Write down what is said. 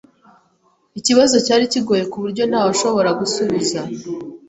Ikibazo cyari kigoye kuburyo ntawushobora gusubiza.